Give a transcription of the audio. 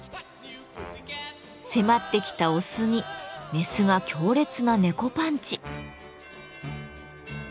迫ってきたオスにメスが強烈な猫パンチ！